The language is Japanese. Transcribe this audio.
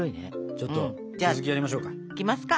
ちょっと続きやりましょうか。いきますか。